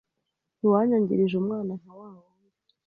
ntiwanyangirije umwana nka wa wundi